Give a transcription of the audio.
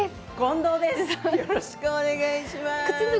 よろしくお願いします！